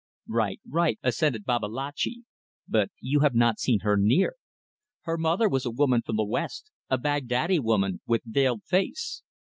"Right, right," assented Babalatchi; "but you have not seen her near. Her mother was a woman from the west; a Baghdadi woman with veiled face.